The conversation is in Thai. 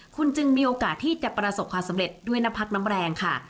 คุณจึงมีโอกาสที่จะประสบความสำเร็จด้วยน้ำพักน้ำแรงค่ะ